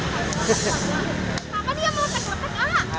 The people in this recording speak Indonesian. apa dia mau lepek lepek ah